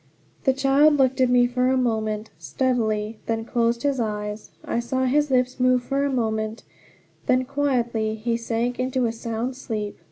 The child looked at me for a moment steadily, then closed his eyes. I saw his lips move for a moment; then quietly he sank into a sound sleep.